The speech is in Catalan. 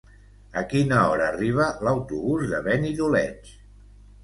A quina hora arriba l'autobús de Benidoleig?